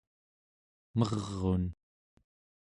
mer'un